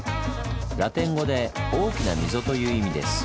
ラテン語で「大きな溝」という意味です。